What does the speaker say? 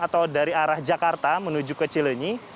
atau dari arah jakarta menuju ke cilenyi